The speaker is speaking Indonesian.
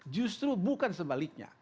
justru bukan sebaliknya